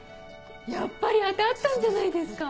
やっぱり当てあったんじゃないですか。